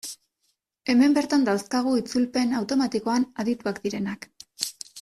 Hemen bertan dauzkagu itzulpen automatikoan adituak direnak.